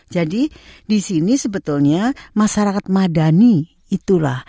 jadi di sini sebetulnya masyarakat madani itulah